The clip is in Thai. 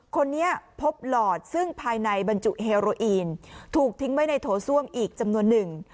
คนนี้พบหลอดซึ่งภายในบรรจุเฮโรอีนถูกทิ้งไว้ในโถส้วมอีกจำนวนหนึ่ง